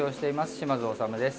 島津修です。